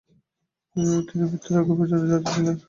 তিনি মৃত্যুর আগে পর্যন্ত যাজক ছিলেন